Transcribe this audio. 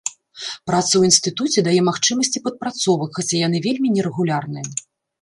Праца ў інстытуце дае магчымасці падпрацовак, хаця яны вельмі нерэгулярныя.